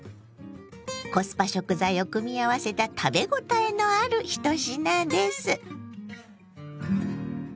コスパ食材を組み合わせた食べ応えのある１品です。